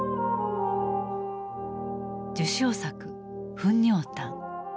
受賞作「糞尿譚」。